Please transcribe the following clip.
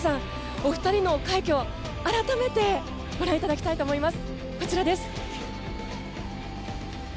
お二人の快挙、改めてご覧いただきたいと思います。